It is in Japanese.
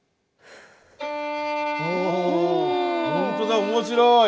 ほんとだ面白い。